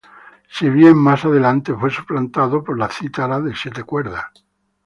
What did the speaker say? Si bien, más adelante fue suplantado por la cítara de siete cuerdas.